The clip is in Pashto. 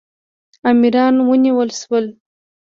امیران ونیول شول.